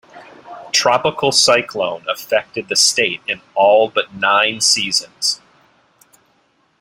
Tropical cyclone affected the state in all but nine seasons.